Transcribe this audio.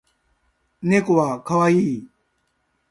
猫は可愛い